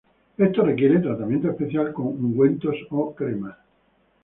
Esto requiere tratamiento especial con ungüentos o cremas.